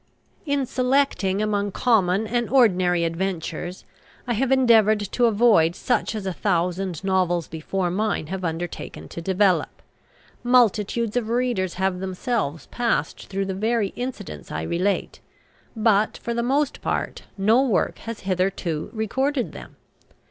In selecting among common and ordinary adventures, I have endeavoured to avoid such as a thousand novels before mine have undertaken to develop. Multitudes of readers have themselves passed through the very incidents I relate; but, for the most part, no work has hitherto recorded them.